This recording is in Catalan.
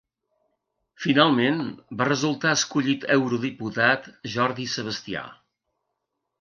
Finalment va resultar escollit eurodiputat Jordi Sebastià.